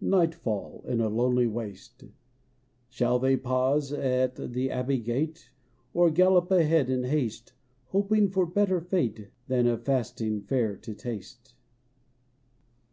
Nightfall in a lonely waste : Shall they pause at the abbey gate, Or gallop ahead in haste Hoping for better fate Than of fasting fare to taste?